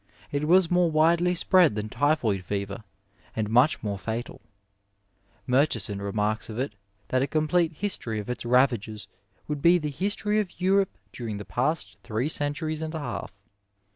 It was more widely spread than typhoid fever and much more fatal Murchison remarks of it that a complete history of its ravages would be the history of Europe during the past three centuries and a half.